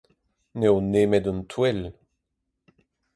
N'eo nemet un touell.